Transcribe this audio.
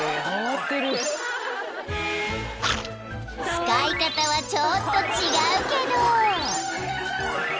［使い方はちょっと違うけど］